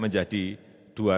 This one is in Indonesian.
menjadi rp dua ratus dan